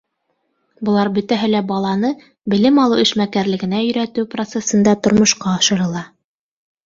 Былар бөтәһе лә баланы белем алыу эшмәкәрлегенә өйрәтеү процесында тормошҡа ашырыла.